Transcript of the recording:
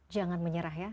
jangan menyerah ya